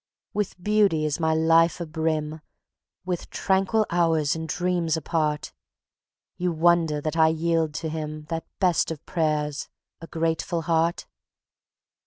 With beauty is my life abrim, With tranquil hours and dreams apart; You wonder that I yield to Him That best of prayers, a grateful heart?"